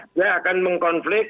dia akan mengkonflik